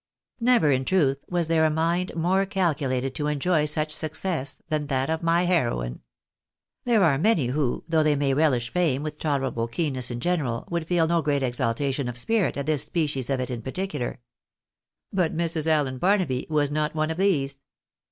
Never, in truth, was there a mind more calculated to enjoy such success than that of my heroine. There are many who, though they may relish fame with tolerable keenness in general, would feel no great exaltation of spirit at this species of it in particular. But Mrs. Allen Barnaby was not one of these.